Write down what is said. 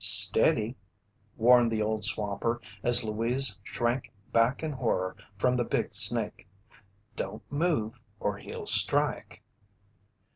Steady!" warned the old swamper as Louise shrank back in horror from the big snake. "Don't move or he'll strike!"